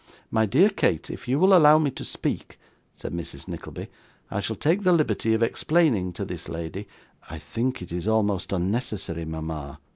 'My dear Kate, if you will allow me to speak,' said Mrs. Nickleby, 'I shall take the liberty of explaining to this lady ' 'I think it is almost unnecessary, mama.